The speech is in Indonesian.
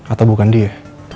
atau bukan dia